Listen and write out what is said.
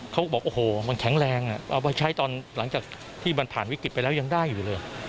เขาบอกโอ้โหมันแข็งแรงเอาไปใช้ตอนหลังจากที่มันผ่านวิกฤตไปแล้วยังได้อยู่เลย